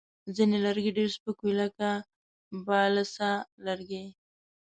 ځینې لرګي ډېر سپک وي، لکه بالسا لرګی.